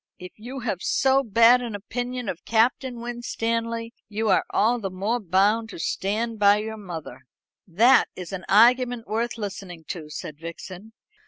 If you have so bad an opinion of Captain Winstanley, you are all the more bound to stand by your mother." "That is an argument worth listening to," said Vixen.